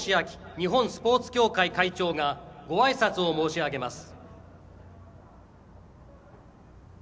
日本スポーツ協会会長がごあいさつを申し上げます。